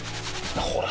ほら！